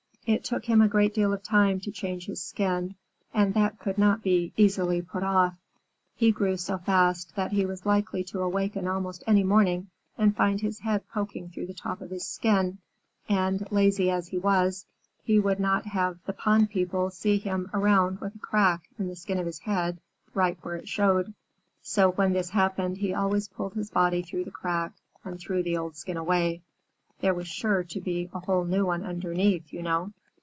It took him a great deal of time to change his skin, and that could not be easily put off. He grew so fast that he was likely to awaken almost any morning and find his head poking through the top of his skin, and, lazy as he was, he would not have the pond people see him around with a crack in the skin of his head, right where it showed. So when this happened, he always pulled his body through the crack, and threw the old skin away. There was sure to be a whole new one underneath, you know.